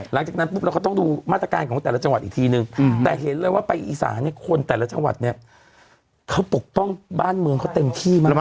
หลังจากนั้นปุ๊บเราก็ต้องดูมาตรการของแต่ละจังหวัดอีกทีนึงแต่เห็นเลยว่าไปอีสานเนี่ยคนแต่ละจังหวัดเนี่ยเขาปกป้องบ้านเมืองเขาเต็มที่มาก